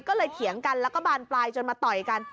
ก็เลยเถียงกันแล้วก็บานปลายจนมาต่อยกัน